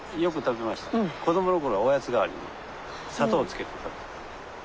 子どもの頃はおやつ代わりに砂糖つけて食べてた。